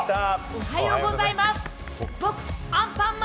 おはようございます。